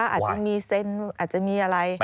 อาจจะมีเซ็นอาจจะมีอะไร